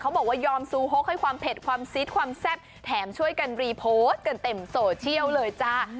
บอกว่ายอมซูโฮกให้ความเผ็ดความซีดความแซ่บแถมช่วยกันรีโพสต์กันเต็มโซเชียลเลยจ้า